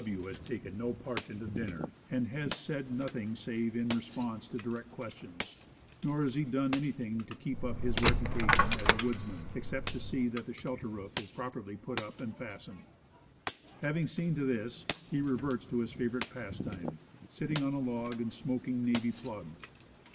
W. has taken no part in the dinner, and has said nothing save in re sponse to direct questions, nor has he done anything to keep up his reputation as a woodsman, except to see that the shelter roof is properly put up and fast ened. Having seen to this, he reverts to his favorite pastime, sitting on a log and smoking navy plug.